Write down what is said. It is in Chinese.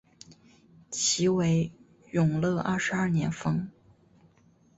其为永乐二十二年封。